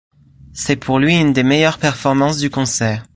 C'est pour lui une des meilleures performances du concert.